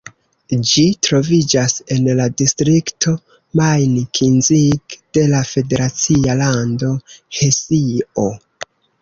Ĝi troviĝas en la distrikto Main-Kinzig de la federacia lando Hesio.